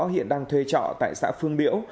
hiện đang thuê trọ tại xã phương biểu